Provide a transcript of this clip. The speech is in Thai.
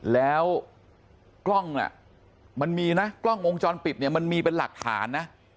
แล้วกล้องน่ะมันมีนะกล้องวงจรปิดเนี่ยมันมีเป็นหลักฐานนะ